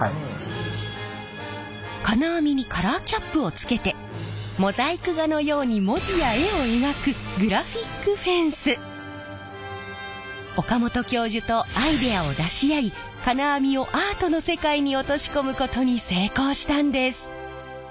金網にカラーキャップをつけてモザイク画のように文字や絵を描く岡本教授とアイデアを出し合い金網をアートの世界に落とし込むことに成功したんです！